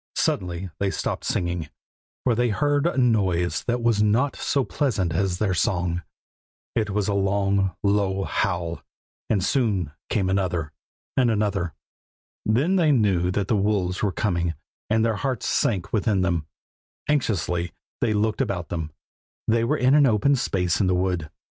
Suddenly they stopped singing, for they heard a noise that was not so pleasant as their song; it was a long, low howl, and soon came another, and another. Then they knew that the wolves were coming, and their hearts sank within them. Anxiously they looked about them. They were in an open space in the wood.